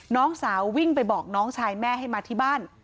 น้องสาววิ่งไปบอกน้องชายแม่ให้มาที่บ้าน